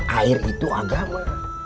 air itu agama